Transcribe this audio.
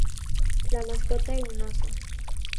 La mascota era un oso.